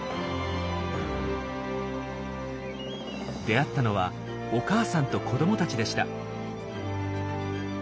出会ったのはお母さんと子どもたちでした。